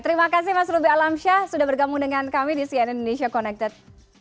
terima kasih mas ruby alamsyah sudah bergabung dengan kami di cnn indonesia connected